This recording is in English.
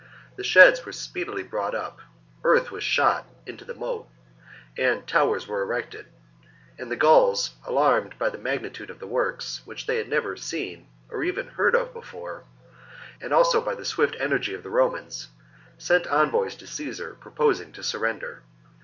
The sheds were speedily brought up, earth was shot ^ [into the moat], and towers were erected ; and the Gauls, alarmed by the magnitude of the works, which they had never seen or even heard of before, and also by the swift energy of the Romans, sent envoys to Caesar, proposing to surrender.